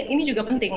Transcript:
ini juga penting